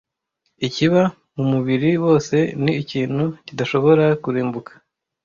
“Ikiba mu mubiri wose ni ikintu kidashobora kurimbuka